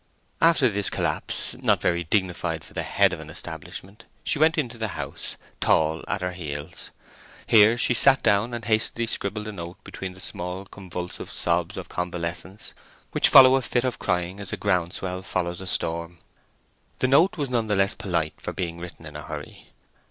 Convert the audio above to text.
After this collapse, not very dignified for the head of an establishment, she went into the house, Tall at her heels. Here she sat down and hastily scribbled a note between the small convulsive sobs of convalescence which follow a fit of crying as a ground swell follows a storm. The note was none the less polite for being written in a hurry.